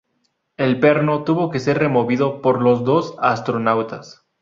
El perno tuvo que ser removido por los dos astronautas.